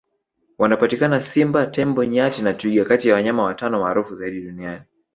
wanapatikana simba tembo nyati na twiga kati ya wanyama watano maarufu zaidi duniani